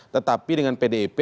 tetapi dengan pdip